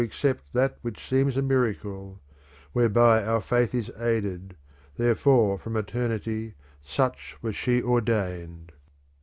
ft toaccept that which seems a miracle; where by our faith is aided ; therefore from eternity such was she ordained.